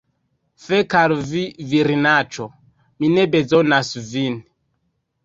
Fek al vi, virinaĉo! Mi ne bezonas vin.